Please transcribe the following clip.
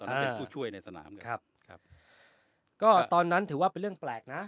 ตอนนี้เป็นผู้ช่วยในสนามเลยครับครับก็ตอนนั้นถือว่าเป็นเรื่องแปลกนะ